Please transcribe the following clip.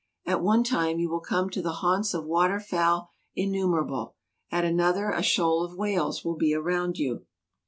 At one time you will come to the haunts of water fowl innumerable ; at another a shoal of whales will be around you.